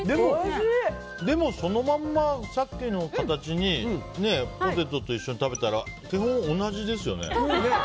でも、そのままさっきの形にポテトと一緒に食べたら基本、同じですよね。